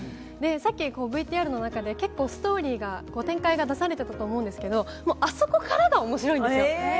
さっきＶＴＲの中で結構ストーリーの展開が出されていたと思うんですけど、あそこからが面白いんですよ。